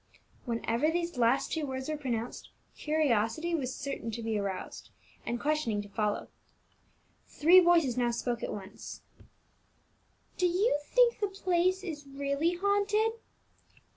Whenever these last two words were pronounced, curiosity was certain to be roused, and questioning to follow. Three voices now spoke at once. "Do you think that the place is really haunted?"